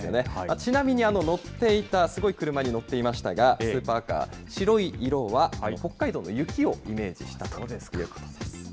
ちなみに乗っていた、すごい車に乗っていましたが、スーパーカー、白い色は北海道の雪をイメージしたということです。